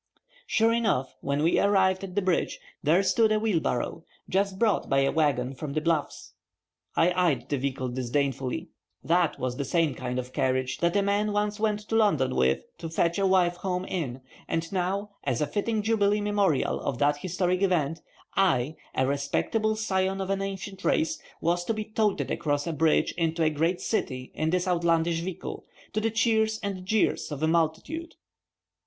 Sure enough, when we arrived at the bridge, there stood a wheelbarrow, just brought by a wagon from the Bluffs. I eyed the vehicle disdainfully. That was the same kind of carriage that a man once went to London with to fetch a wife home in, and now, as a fitting jubilee memorial of that historic event, I, a respectable scion of an ancient race, was to be toted across a bridge into a great city in this outlandish vehicle, to the cheers and jeers of a multitude.